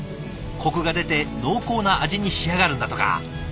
コクが出て濃厚な味に仕上がるんだとか。